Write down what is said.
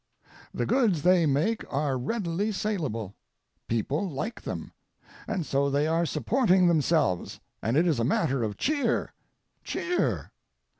The goods they make are readily salable. People like them. And so they are supporting themselves, and it is a matter of cheer, cheer.